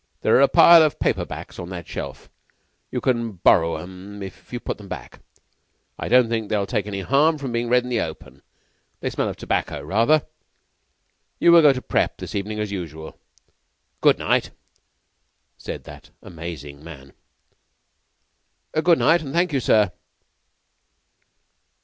There are a pile of paper backs on that shelf. You can borrow them if you put them back. I don't think they'll take any harm from being read in the open. They smell of tobacco rather. You will go to prep. this evening as usual. Good night," said that amazing man. "Good night, and thank you, sir."